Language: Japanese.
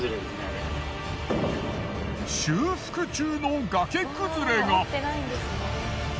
修復中の崖崩れが。